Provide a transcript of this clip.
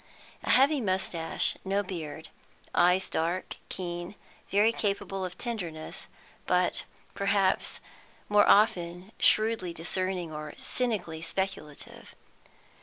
A heavy moustache; no beard. Eyes dark, keen, very capable of tenderness, but perhaps more often shrewdly discerning or cynically speculative.